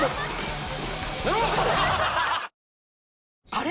あれ？